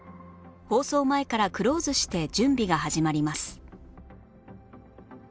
放送前からクローズして準備が始まります